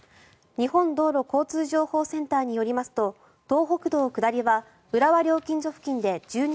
日本道路交通情報センターによりますと東北道下りは浦和料金所付近で１２ｋｍ